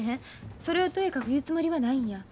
それをとやかく言うつもりはないんや。